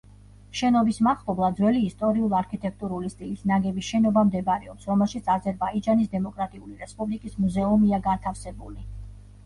შენობის მახლობლად ძველი ისტორიულ-არქიტექტურული სტილით ნაგები შენობა მდებარეობს, რომელშიც აზერბაიჯანის დემოკრატიული რესპუბლიკის მუზეუმია განთავსებული.